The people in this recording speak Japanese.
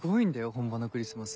本場のクリスマス。